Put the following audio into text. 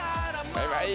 バイバイ。